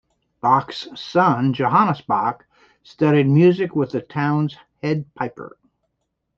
Bach's son Johannes Bach studied music with the town's head piper.